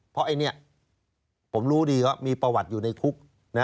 เพราะไอ้นี่ผมรู้ดีว่ามีประวัติอยู่ในคุก